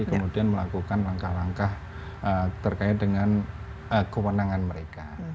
kemudian melakukan langkah langkah terkait dengan kewenangan mereka